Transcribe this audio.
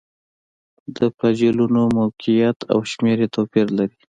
د فلاجیلونو موقعیت او شمېر یې توپیر لري.